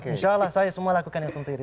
insya allah saya semua lakukannya sendiri